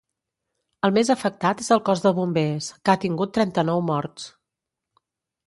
El més afectat és el cos de bombers, que ha tingut trenta-nou morts.